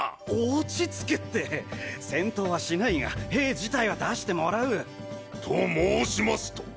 落ち着けって戦闘はしないが兵自体は出してもらうと申しますと？